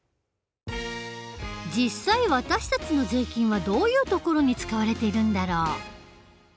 実際私たちの税金はどういうところに使われているんだろう？